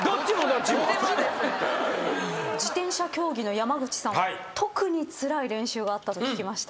自転車競技の山口さんは特につらい練習があったと聞きました。